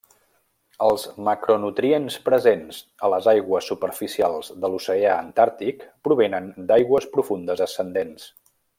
Els macronutrients presents a les aigües superficials de l'oceà Antàrtic provenen d'aigües profundes ascendents.